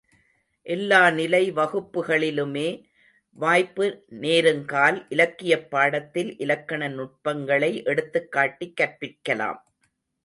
எல்லாநிலை வகுப்புகளிலுமே, வாய்ப்பு நேருங்கால், இலக்கியப் பாடத்தில் இலக்கண நுட்பங்களை எடுத்துக்காட்டிக் கற்பிக்கலாம்.